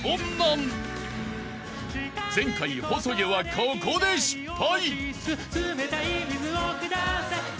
［前回細魚はここで失敗］